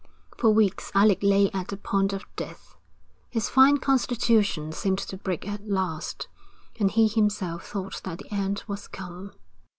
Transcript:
For weeks Alec lay at the point of death. His fine constitution seemed to break at last, and he himself thought that the end was come.